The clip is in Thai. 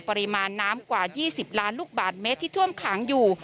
ปริมาณน้ำกว่า๒๐ล้านลูกบาทเมตรที่ท่วมขังอยู่